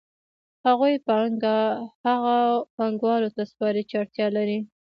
هغوی پانګه هغو پانګوالو ته سپاري چې اړتیا لري